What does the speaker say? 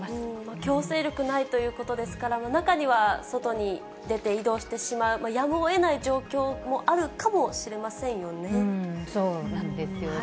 強制力ないということですから、中には外に出て移動してしまう、やむをえない状況もあるかもそうなんですよね。